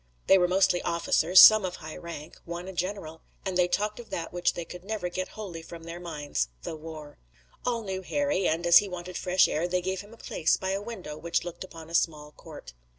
They were mostly officers, some of high rank, one a general, and they talked of that which they could never get wholly from their minds, the war. All knew Harry, and, as he wanted fresh air, they gave him a place by a window which looked upon a small court.